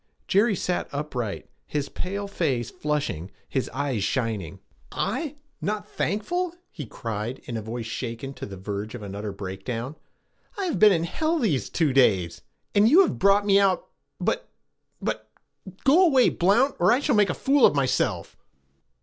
Jerry sat upright, his pale face flushing, his eyes shining. 'I? Not thankful?' he cried in a voice shaken to the verge of an utter breakdown. 'I have been in hell these two days, and you have brought me out but but go away, Blount, or I shall make a fool of myself!'